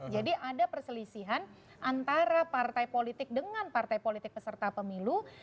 jadi ada perselisihan antara partai politik dengan partai politik peserta pemilu